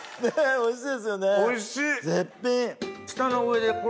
おいしい。